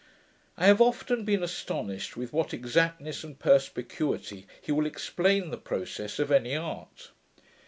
I have often been astonished with what exactness and perspicuity he will explain the process of any art.